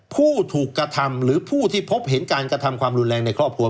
ผู้ถูกกระทำหรือผู้ที่พบเห็นการกระทำความรุนแรงในครอบครัว